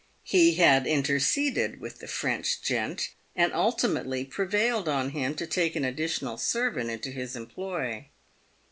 He had interceded with the French gent, and ultimately prevailed on him to take an additional servant into his employ.